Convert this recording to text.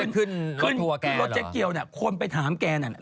ขึ้นรถเจ๊เกียวเนี่ยคนไปถามแกเนี่ย